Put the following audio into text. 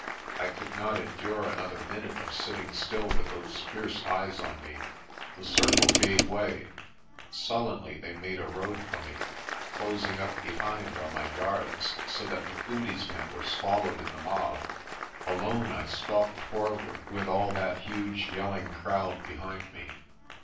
I could not endure another minute of sitting still with those fierce eyes on me. The circle gave way. Sullenly they made a road for me, closing up behind on my guards, so that Machudi's men were swallowed in the mob. Alone I stalked forward with all that huge yelling crowd behind me.